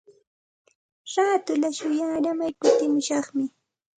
Raatulla shuyaaramay kutiramushaqmi.